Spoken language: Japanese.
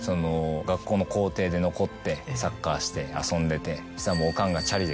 学校の校庭で残ってサッカーして遊んでて。